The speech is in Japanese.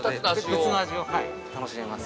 ２つの味を楽しめます。